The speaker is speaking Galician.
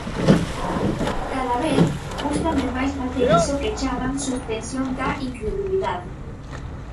Cada vez cústame máis facer iso que chaman "suspensión da incredulidade".